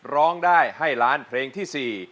ร้องได้ให้ล้านเพลงที่๔